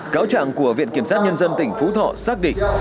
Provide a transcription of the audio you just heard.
cáo trạng của viện kiểm sát nhân dân tỉnh phú thọ xác định